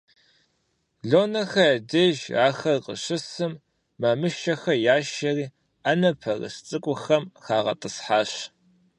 Лонэхэ я деж ахэр къыщысым, Мамышэ яшэри Ӏэнэм пэрыс цӀыкӀухэм хагъэтӀысхьащ.